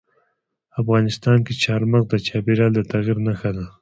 افغانستان کې چار مغز د چاپېریال د تغیر نښه ده.